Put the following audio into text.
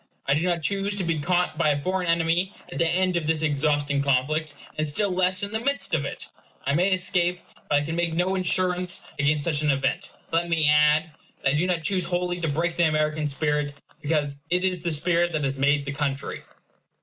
I do not choose to be caught by a foreign enemy at the end of this exhausting conflict; and still less in the midst of it. I may escape; but I can make no insurance against such an event. Let me add, that I do not choose wholly to break the American spirit; because it is the spirit that has made the country.